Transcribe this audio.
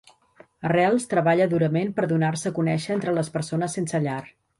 Arrels treballa durament per donar-se a conèixer entre les persones sense llar